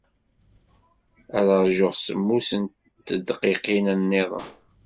Ad ṛjuɣ semmus n tedqiqin niḍen.